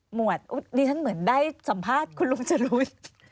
หวดดิฉันเหมือนได้สัมภาษณ์คุณลุงจรูน